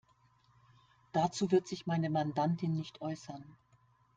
Dazu wird sich meine Mandantin nicht äußern.